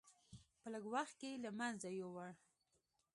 په لږ وخت کې له منځه یووړ.